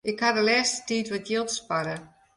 Ik haw de lêste tiid wat jild sparre.